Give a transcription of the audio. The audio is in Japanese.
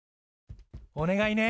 お願いね。